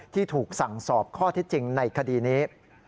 ที่ถูกสั่งสอบข้อที่จริงในคดีนี้